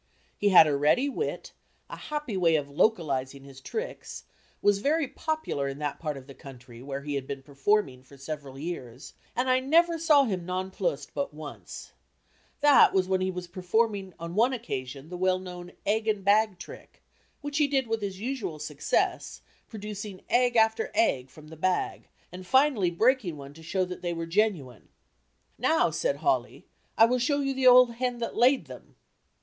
He had a ready wit, a happy way of localizing his tricks, was very popular in that part of the country, where he had been performing for several years, and I never saw him nonplussed but once. This was when he was performing on one occasion the well known egg and bag trick, which he did with his usual success, producing egg after egg from the bag and [Illustration: THE COWARD AND THE "BRAVE."] finally breaking one to show that they were genuine. "Now," said Hawley, "I will show you the old hen that laid them."